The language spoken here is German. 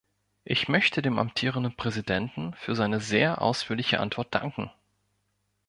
Ich möchte dem amtierenden Präsidenten für seine sehr ausführliche Antwort danken.